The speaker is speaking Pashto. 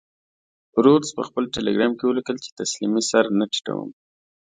رودز په خپل ټیلګرام کې ولیکل چې تسلیمۍ سر نه ټیټوم.